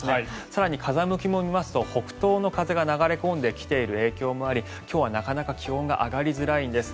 更に風向きも見ますと北東の風が流れ込んできている影響もあり今日は、なかなか気温が上がりづらいんです。